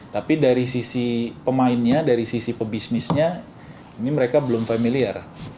tapi dari sisi pemainnya dari sisi pebisnisnya ini mereka belum familiar